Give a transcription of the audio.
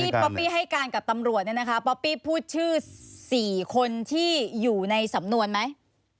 ป๊อปปี้ให้การกับตำรวจเนี่ยนะคะป๊อปปี้พูดชื่อ๔คนที่อยู่ในสำนวนไหม